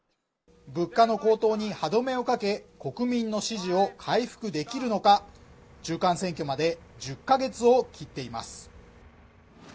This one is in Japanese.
物価の高騰に歯止めをかけ国民の支持を回復できるのか中間選挙まで１０か月を切っています